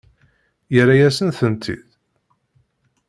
Yerra-yasen-tent-id?